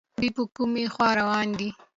دوی په کومې خوا روان دي